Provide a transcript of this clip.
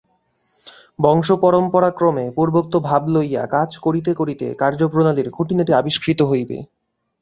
বংশপরম্পরাক্রমে পূর্বোক্ত ভাব লইয়া কাজ করিতে করিতে কার্যপ্রণালীর খুঁটিনাটি আবিষ্কৃত হইবে।